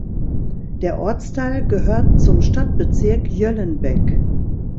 Der Ortsteil gehört zum Stadtbezirk Jöllenbeck.